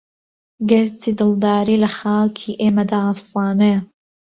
گەر چی دڵداری لە خاکی ئێمەدا ئەفسانەیە